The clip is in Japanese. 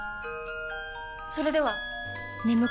それでは！